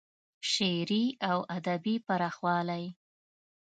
شعري او ادبي پراخوالی